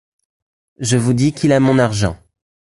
Je vous dis qu’il a mon argent.